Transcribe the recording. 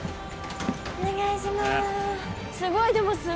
お願いします。